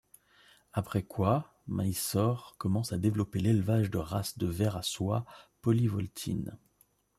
Après quoi Mysore commence à développer l'élevage de races de vers à soie polyvoltines.